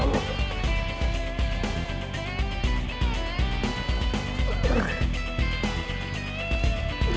aku pergi rachai